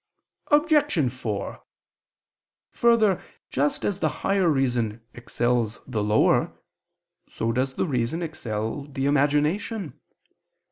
Obj. 4: Further, just as the higher reason excels the lower, so does the reason excel the imagination.